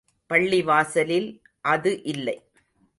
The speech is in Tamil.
பள்ளிவாசலில் அது இல்லை.